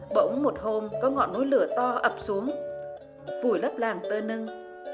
bỗng một hôm có ngọn núi lửa to ập xuống vùi lấp làng tơ nâng